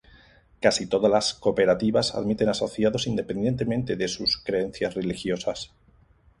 Casi todas las cooperativas admiten asociados independientemente de sus creencias religiosas.